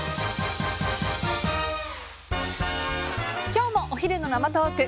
今日もお昼の生トーク。